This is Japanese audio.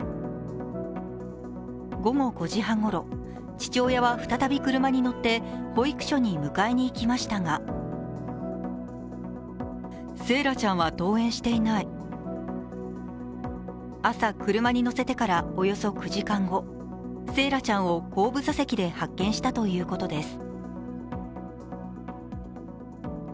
午後５時半ごろ父親は再び車に乗って保育所に迎えに行きましたが朝、車に乗せてからおよそ９時間後、惺愛ちゃんを後部座席で発見したということです。